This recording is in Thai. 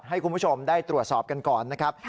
ให้คุณผู้ชมได้ตรวจสอบกันก่อนนะครับ